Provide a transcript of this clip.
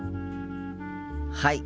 はい。